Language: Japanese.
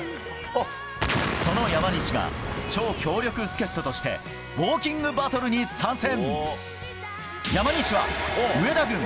その山西が超強力助っ人としてウォーキングバトルに参戦。